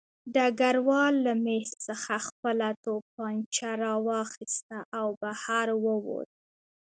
ډګروال له مېز څخه خپله توپانچه راواخیسته او بهر ووت